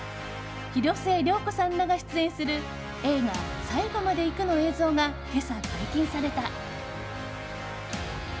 広末涼子さんらが出演する映画「最後まで行く」の映像が今朝、解禁された。